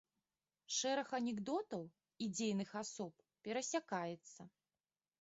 Шэраг анекдотаў і дзейных асоб перасякаецца.